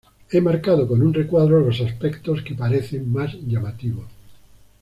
He marcado con un recuadro los aspectos que parecen más llamativos